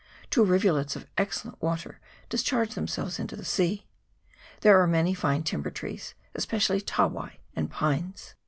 Two rivulets of excellent water discharge themselves into the sea. There were many fine timber trees, especially tawai and pines.